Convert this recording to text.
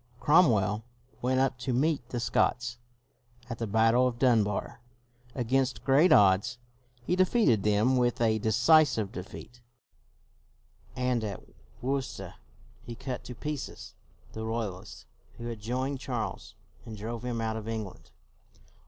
Cromwell went up to meet the Scots. At the battle of Dunbar, against great odds, he de feated them with a decisive defeat; and at Worcester he cut to pieces the Royalists who had joined Charles, and drove him out of England.